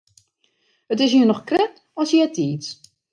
It is hjir noch krekt as eartiids.